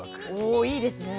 おいいですね。